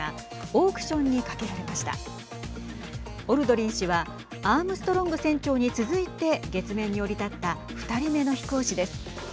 オルドリン氏はアームストロング船長に続いて月面に降り立った２人目の飛行士です。